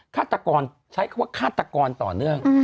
ฆาตกรใช้คำว่าฆาตกรต่อเนื่อง